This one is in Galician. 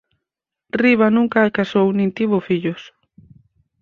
Riva nunca casou nin tivo fillos.